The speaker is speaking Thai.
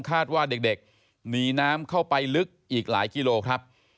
คาดว่าเด็กหนีน้ำเข้าไปลึกอีกหลายกิโลครับ